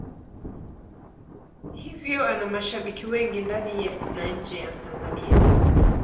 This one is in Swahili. Hivyo ana mashabiki wengi ndani na nje ya Tanzania.